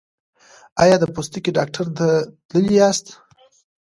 ایا د پوستکي ډاکټر ته تللي یاست؟